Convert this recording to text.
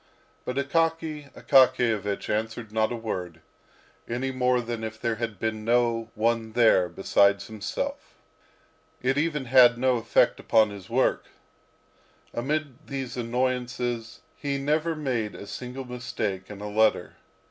But Akaky Akakiyevich answered not a word, any more than if there had been no one there besides himself. It even had no effect upon his work. Amid all these annoyances he never made a single mistake in a letter.